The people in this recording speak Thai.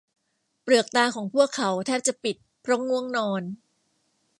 เปลือกตาของพวกเขาแทบจะปิดเพราะง่วงนอน